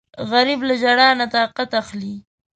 غریب له ژړا نه طاقت اخلي